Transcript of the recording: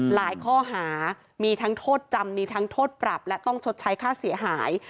ข้อหามีทั้งโทษจำมีทั้งโทษปรับและต้องชดใช้ค่าเสียหาย